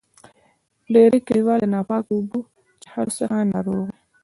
ډیری کلیوال د ناپاکو اوبو چیښلو څخه ناروغ وي.